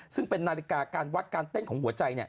ซึ่งเป็นนาฬิกาการวัดการเต้นของหัวใจ